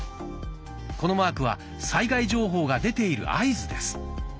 このマークは災害情報が出ている合図です。